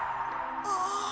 ああ。